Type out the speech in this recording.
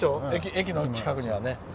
駅の近くには。